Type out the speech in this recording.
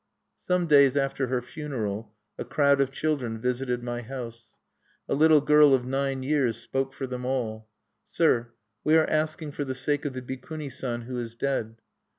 Some days after her funeral, a crowd of children visited my house. A little girl of nine years spoke for them all: "Sir, we are asking for the sake of the Bikuni San who is dead.